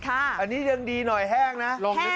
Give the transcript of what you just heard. อันนี้ยังดีหน่อยแห้งนะ